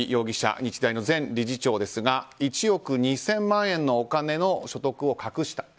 日大の前理事長ですが１億２０００万円のお金の所得を隠した。